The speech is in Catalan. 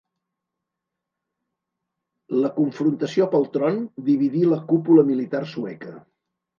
La confrontació pel tron dividí la cúpula militar sueca.